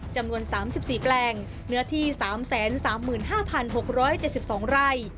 จำนวนสามสิบสี่แปลงเนื้อที่สามแสนสามหมื่นห้าพันหกร้อยเจสิบสองไร่